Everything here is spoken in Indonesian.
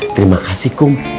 terima kasih kum